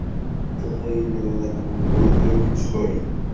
Todo ello fue llevado a cabo por Lauren Savoy.